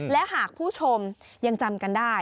และหากผู้ชมยังจำกันได้